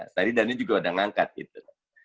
tadi daniel juga udah ngangkat gitu